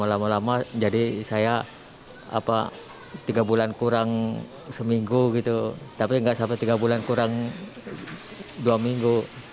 apa tiga bulan kurang seminggu gitu tapi nggak sampai tiga bulan kurang dua minggu